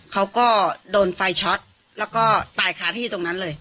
เขาก็โดนไฟช็อตแล้วก็ตายคาที่ตรงนั้นเลย